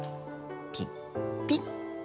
ピッピッ。